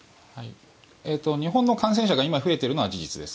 日本の感染者が今、増えているのは事実です。